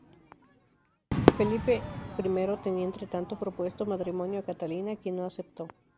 Felipe I tenía entretanto propuesto matrimonio a Catalina, quien no aceptó.